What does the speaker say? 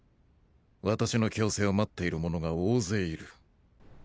私の矯正を待っている者が大勢いる。